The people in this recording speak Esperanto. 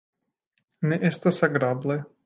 Ne estas agrable!